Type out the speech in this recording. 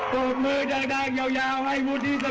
ตบมือแดงยาวให้วุฒิสภา